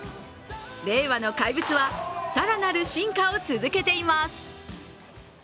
令和の怪物は更なる進化を続けています。